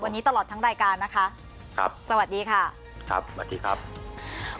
วันนี้ตลอดทั้งรายการนะคะครับสวัสดีค่ะครับสวัสดีครับ